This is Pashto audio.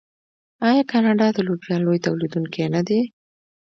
آیا کاناډا د لوبیا لوی تولیدونکی نه دی؟